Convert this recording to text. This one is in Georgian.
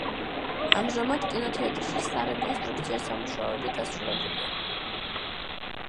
ამჟამად კინოთეატრში სარეკონსტრუქციო სამუშაოები დასრულებულია.